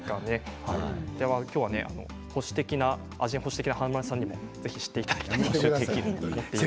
今日は味に保守的な華丸さんにも、ぜひ知っていただきたいと思います。